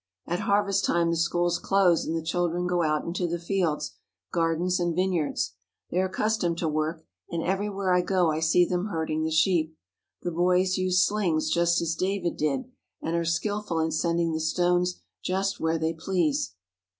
At harvest time the schools close and the children go out into the fields, gar dens, and vineyards. They are accustomed to work, and everywhere I go I see them herding the sheep. The boys use slings just as David did and are skilful in sending the stones just where they please.